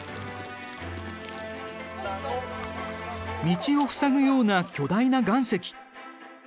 道を塞ぐような巨大な岩石。